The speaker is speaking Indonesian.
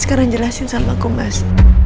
sekarang jelasin sama aku mas